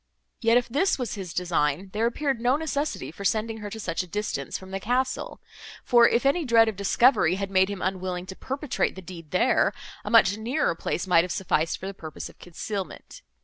Yet, if this was his design, there appeared no necessity for sending her to such a distance from the castle; for, if any dread of discovery had made him unwilling to perpetrate the deed there, a much nearer place might have sufficed for the purpose of concealment.